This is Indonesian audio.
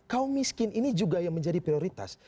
kaum miskin ini juga yang menjadi prioritas